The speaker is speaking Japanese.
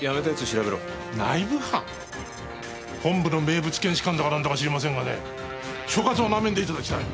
本部の名物検視官だかなんだか知りませんがね所轄をなめんで頂きたい。